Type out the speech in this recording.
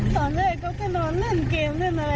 ตอนแรกเขาก็นอนเล่นเกมซะนะ